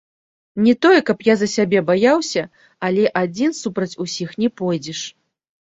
Не тое каб я за сябе баяўся, але адзін супраць усіх не пойдзеш.